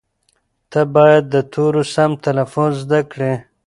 ته باید د تورو سم تلفظ زده کړې.